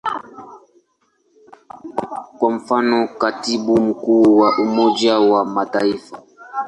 Kwa mfano, Katibu Mkuu wa Umoja wa Mataifa.